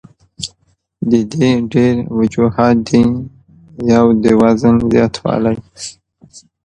د دې ډېر وجوهات دي يو د وزن زياتوالے ،